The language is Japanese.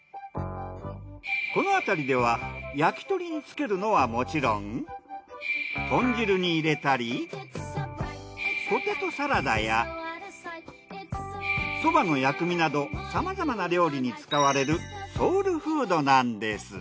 このあたりでは焼き鳥につけるのはもちろん豚汁に入れたりポテトサラダやそばの薬味などさまざまな料理に使われるソウルフードなんです。